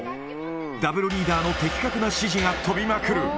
ダブルリーダーの的確な指示が飛びまくる。